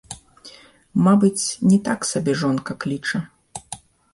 Мабыць, не так сабе жонка кліча.